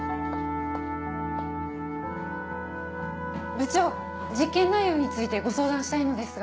部長実験内容についてご相談したいのですが。